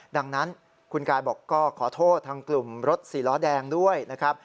ดังนั้นคุณกายบอกก็ขอโทษทางกลุ่มรถสี่ล้อแดงด้วยนะครับ